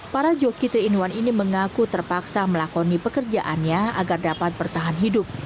para joki tiga in satu ini mengaku terpaksa melakoni pekerjaannya agar dapat bertahan hidup